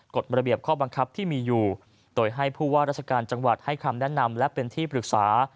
กฎระเบียบข้อบังคับที่มีอยู่โดยให้ผู้ว่าราชการจังหวัดให้คำแนะนำและเป็นที่ปรึกษา